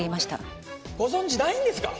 ご存じないんですか？